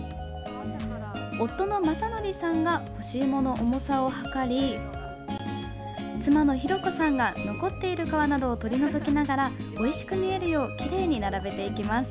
夫の正生さんが干しいもの重さを量り妻の裕子さんが残っている皮などを取り除きながらおいしく見えるようきれいに並べていきます。